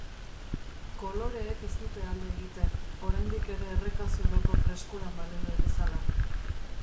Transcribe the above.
Koloreek ez dute alde egiten, oraindik ere erreka-zuloko freskuran baleude bezala.